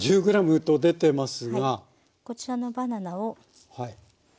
こちらのバナナを。